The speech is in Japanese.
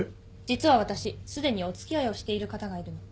実は私すでにお付き合いをしている方がいるの。